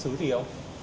tôi thấy có